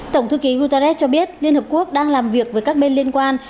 tổng thư ký guterres cho biết liên hợp quốc đang làm việc với các bên liên quan